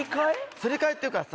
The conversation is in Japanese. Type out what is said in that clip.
すり替えっていうかさ